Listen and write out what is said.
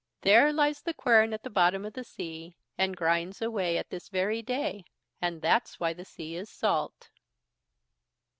There lies the quern at the bottom of the sea, and grinds away at this very day, and that's why the sea is salt.